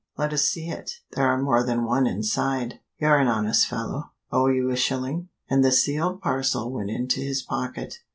"Let us see it? There are more than one inside it. You're an honest fellow. Owe you a shilling." And the sealed parcel went into his pocket.